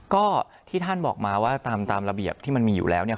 ก็ที่ท่านบอกมาว่าตามระเบียบที่มันมีอยู่แล้วเนี่ย